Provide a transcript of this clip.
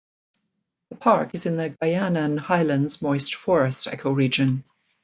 The park is in the Guayanan Highlands moist forests ecoregion.